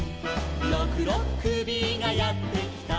「ろくろっくびがやってきた」